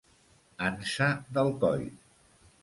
Ansa del coll.